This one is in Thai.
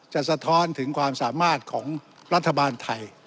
สะท้อนถึงความสามารถของรัฐบาลไทย